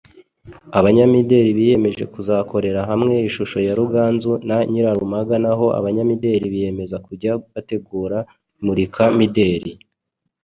abanyabugeni biyemeje kuzakorera hamwe ishusho ya Ruganzu na Nyirarumaga naho abanyamideri biyemeza kujya bategura imurika mideri